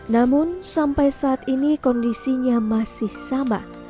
namun sampai saat ini kondisinya masih sama